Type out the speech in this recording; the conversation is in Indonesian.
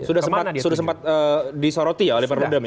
sudah sempat disoroti oleh perudem ya